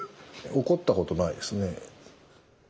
怒ったことないですね。